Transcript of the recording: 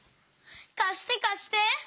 かしてかして！